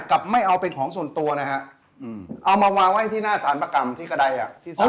กลับไม่เอาเป็นของส่วนตัวนะฮะอืมเอามาวางไว้ที่หน้าสารประกรรมที่กระดายอ่ะที่ศาล